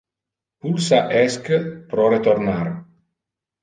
Pulsa Esc pro retornar.